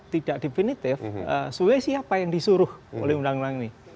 tidak definitif sesuai siapa yang disuruh oleh undang undang ini